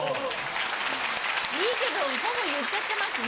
いいけどほぼ言っちゃってますね。